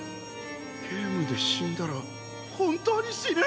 ゲームで死んだら本当に死ぬ！？